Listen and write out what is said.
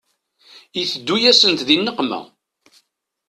Iteddu-yasent di nneqma.